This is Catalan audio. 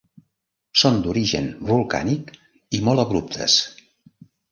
Són d'origen volcànic i molt abruptes.